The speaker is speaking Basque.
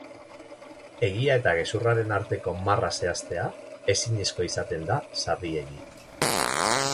Egia eta gezurraren arteko marra zehaztea ezinezkoa izaten da sarriegi.